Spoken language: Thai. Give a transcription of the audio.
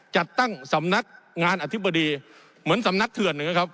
จัดตั้งสำนักงานอธิบดีเหมือนสำนักเถื่อนนะครับ